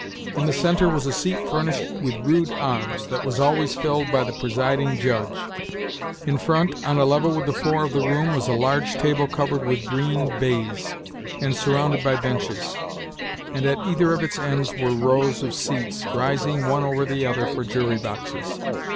In the centre was a seat, furnished with rude arms, that was always filled by the presiding judge. In front, on a level with the floor of the room, was a large table covered with green baize, and surrounded by benches; and at either of its ends were rows of seats, rising one over the other, for jury boxes.